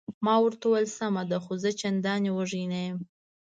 ما ورته وویل: سمه ده، خو زه چندانې وږی نه یم.